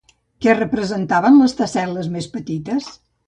Què representaven les tessel·les més petites?